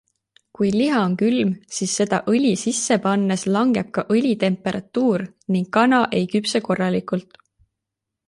Kui liha on külm, siis seda õli sisse pannes langeb ka õli temperatuur ning kana ei küpse korralikult.